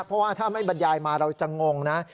เพราะว่าถ้าไม่บรรยายมาเราจะงงนะ